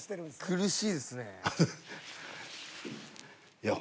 苦しいですね。